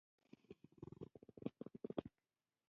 دریشي تل د باوقاره خلکو خوښه وي.